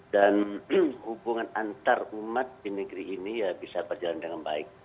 dan hubungan antarumat di negeri ini ya bisa berjalan dengan baik